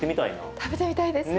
食べてみたいですね。